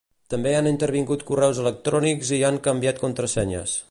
També han intervingut correus electrònics i han canviat contrasenyes.